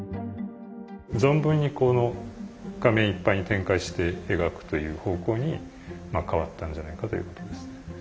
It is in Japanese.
存分にこの画面いっぱいに展開して描くという方向に変わったんじゃないかということですね。